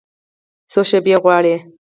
څو شیبې غواړي